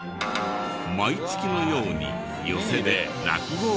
毎月のように寄席で落語を披露。